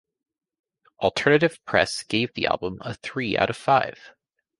"Alternative Press" gave the album a three out of five.